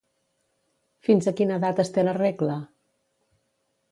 Fins a quina edat es té la regla?